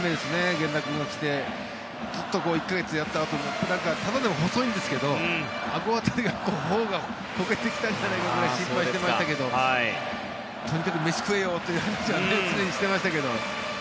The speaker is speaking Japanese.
源田君も来てずっと１か月やったあと元々体が細いんですけどあご辺りは頬がこけてきたんじゃないかくらい心配してましたけどとにかく飯を食えよという話は常にしていましたけど。